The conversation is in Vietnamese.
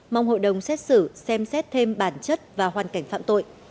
mong hội đồng xét xử xem xét thêm bản chất và hoàn cảnh phạm tội